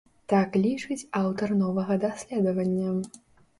Так лічыць аўтар новага даследавання.